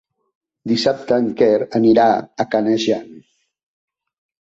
Dissabte en Quer anirà a Canejan.